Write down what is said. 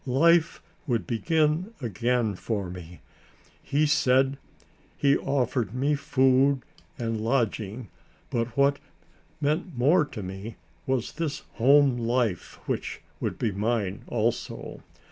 Life would begin again for me. He said he offered me food and lodging, but what meant more to me was this home life which would be mine also.